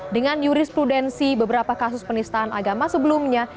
dengan jurisprudensi beberapa kasus penistaan agama sebelumnya